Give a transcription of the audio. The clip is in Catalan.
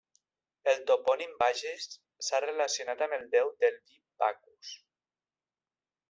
El topònim Bages s'ha relacionat amb el déu del vi Bacus.